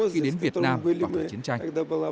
khi đến việt nam và phải chiến tranh